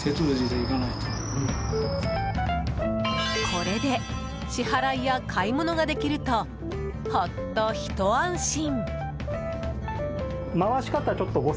これで支払いや買い物ができるとほっと、ひと安心。